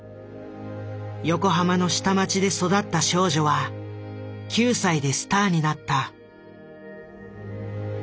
横浜の下町で育った少女は９歳でスターになった。